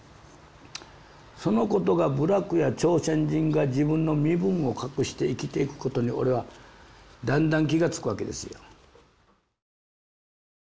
そのことが部落や朝鮮人が自分の身分を隠して生きていくことに俺はだんだん気が付くわけですよ。